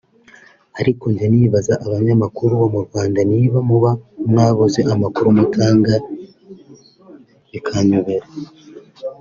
ariko njya nibaza abanyamakuru bomurwanda niba muba mwabuze amakuru mutanga bikanyobera